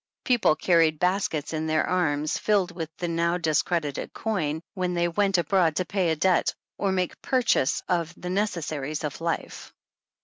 People carried baskets in their arms, filled with the now discredited coin, when they went abroad to pay a debt or make purchase of the neces saries of life.